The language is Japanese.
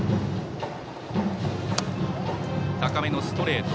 高めのストレート。